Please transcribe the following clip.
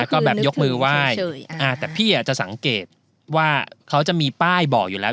แล้วก็แบบยกมือไหว้แต่พี่อาจจะสังเกตว่าเขาจะมีป้ายบอกอยู่แล้ว